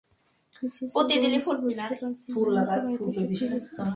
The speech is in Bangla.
মিসেস গোমস, বুঝতে পারছি না আজ বাড়িতে এসব কী হচ্ছে।